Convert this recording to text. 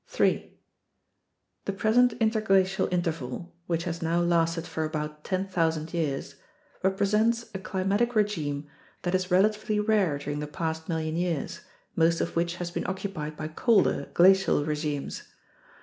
3. The present interglacial interval — which has now lasted for about 10,000 years — represents a climatic regime that is relatively rare during the past million years, most of which has been occupied by colder, glacial regimes.